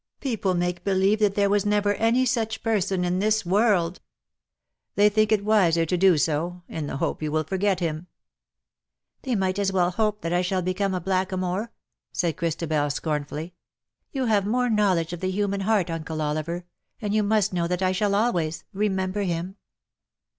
People make believe that there was never any such person in this world.^^ '' They think, it wiser to do so, in the hope you will forget him.^^ " They might as well hope that I shall become a blackamoor/' said Christabel, scornfully. " You have more knowledge of the human heart. Uncle Oliver — and you must know that I shall always — remember him.